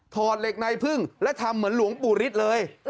เหล็กในพึ่งและทำเหมือนหลวงปู่ฤทธิ์เลย